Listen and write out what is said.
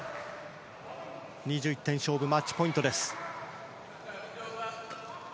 ２１点勝負のマッチポイントです。